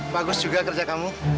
bagus juga kerja kamu